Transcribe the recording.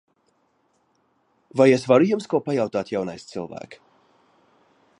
Vai es varu jums ko pajautāt, jaunais cilvēk?